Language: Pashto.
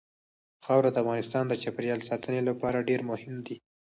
خاوره د افغانستان د چاپیریال ساتنې لپاره ډېر مهم دي.